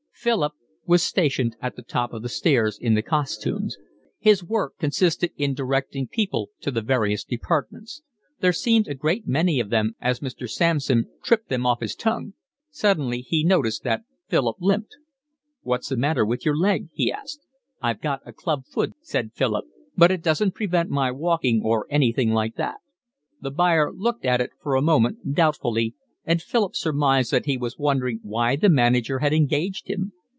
Philip was stationed at the top of the stairs in the 'costumes.' His work consisted in directing people to the various departments. There seemed a great many of them as Mr. Sampson tripped them off his tongue. Suddenly he noticed that Philip limped. "What's the matter with your leg?" he asked. "I've got a club foot," said Philip. "But it doesn't prevent my walking or anything like that." The buyer looked at it for a moment doubtfully, and Philip surmised that he was wondering why the manager had engaged him.